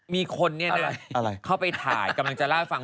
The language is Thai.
มีคนเข้าไปถ่ายกำลังจะเล่าให้ฟัง